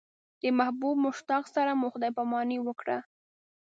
د محبوب مشتاق سره مو خدای پاماني وکړه.